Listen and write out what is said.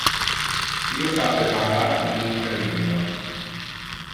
Io sape parlar in interlingua.